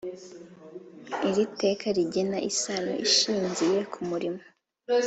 Iri teka rigena isano ishingiye ku murimo